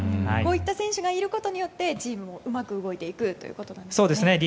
こういった選手がいることによってうまく動いていくということですね。